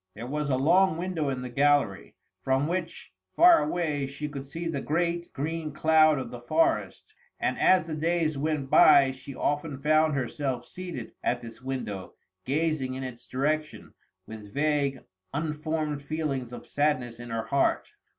There was a long window in the gallery, from which, far away, she could see the great green cloud of the forest; and as the days went by she often found herself seated at this window, gazing in its direction, with vague unformed feelings of sadness in her heart.